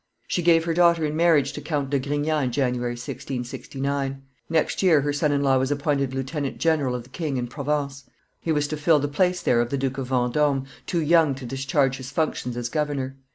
She gave her daughter in marriage to Count de Grignan in January, 1669; next year her son in law was appointed lieutenant general of the king in Provence; he was to fill the place there of the Duke of Vendome, too young to discharge his functions as governor.